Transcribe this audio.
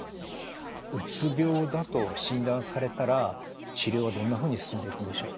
うつ病だと診断されたら治療はどんなふうに進んでいくんでしょう？